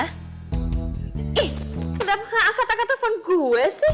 ih kenapa gak angkat angkat telepon gue sih